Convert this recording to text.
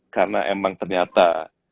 karena emang ternyata